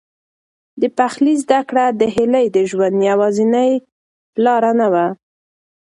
د پخلي زده کړه د هیلې د ژوند یوازینۍ لاره نه وه.